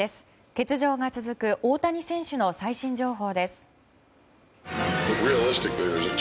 欠場が続く大谷選手の最新情報です。